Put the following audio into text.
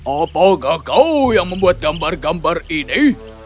apakah kau yang membuat gambar gambar ini